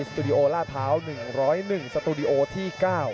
ตูดิโอล่าเท้า๑๐๑สตูดิโอที่๙